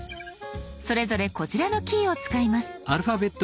それぞれこちらのキーを使います。